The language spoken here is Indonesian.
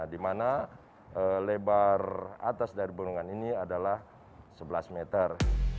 di mana lebar atas dari gunungan ini adalah sebelas meter